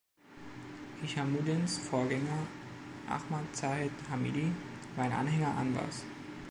Hishhammudins Vorgänger, Ahmad Zahid Hamidi, war ein Anhänger Anwars.